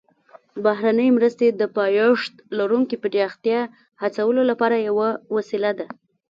بهرنۍ مرستې د پایښت لرونکي پراختیا هڅولو لپاره یوه وسیله ده